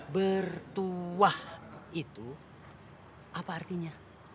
bertuah itu apa artinya